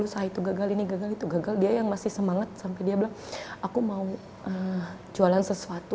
usaha itu gagal ini gagal itu gagal dia yang masih semangat sampai dia bilang aku mau jualan sesuatu